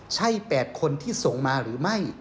ใช่๘คนที่ส่งมาหรือไม่